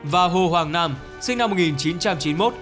và hồ hoàng nam sinh năm một nghìn chín trăm chín mươi một